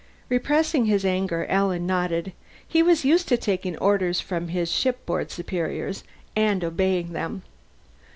Repressing his anger, Alan nodded. He was used to taking orders from his shipboard superiors and obeying them.